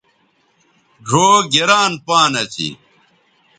ڙھؤ گران پان اسی